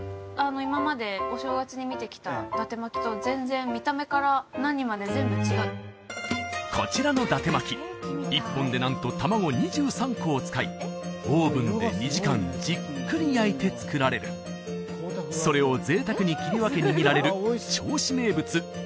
今までお正月に見てきただて巻きと全然見た目から何まで全部違うこちらのだて巻き１本でなんと卵２３個を使いオーブンで２時間じっくり焼いて作られるそれを贅沢に切り分け握ら